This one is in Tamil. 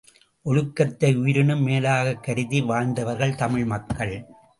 ஒழுக்கத்தை உயிரினும் மேலாகக் கருதி வாழ்ந்தவர்கள் தமிழ் மக்கள்.